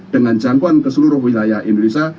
dengan jangkauan ke seluruh wilayah indonesia